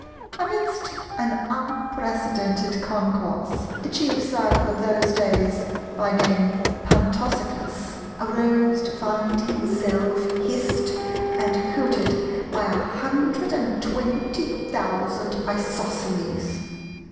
Amidst an unprecedented concourse, the Chief Circle of those days—by name Pantocyclus—arose to find himself hissed and hooted by a hundred and twenty thousand Isosceles.